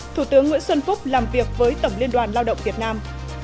thủ tướng nguyễn xuân phúc làm việc với tổng liên đoàn lao động việt nam